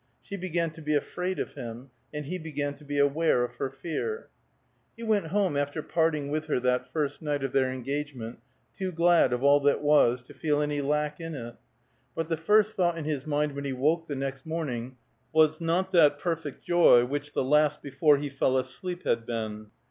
She began to be afraid of him, and he began to be aware of her fear. He went home after parting with her that first night of their engagement too glad of all that was, to feel any lack in it; but the first thought in his mind when he woke the next morning was not that perfect joy which the last before he fell asleep had been.